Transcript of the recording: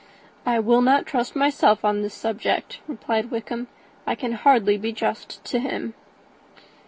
"I will not trust myself on the subject," replied Wickham; "I can hardly be just to him."